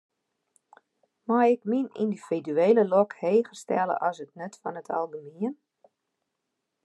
Mei ik myn yndividuele lok heger stelle as it nut fan it algemien?